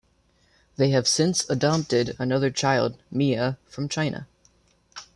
They have since adopted another child, Mia, from China.